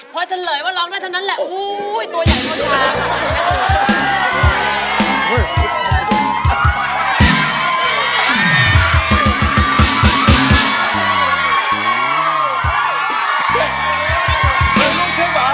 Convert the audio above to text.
พอเฉลยว่าร้องได้เท่านั้นแหละโอ้โหตัวใหญ่กว่าทาง